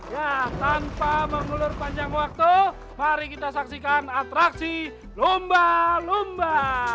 ya tanpa mengulur panjang waktu mari kita saksikan atraksi lomba lomba